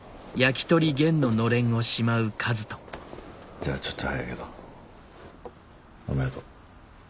じゃあちょっと早いけどおめでとう。